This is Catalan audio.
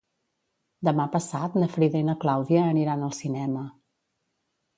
Demà passat na Frida i na Clàudia aniran al cinema.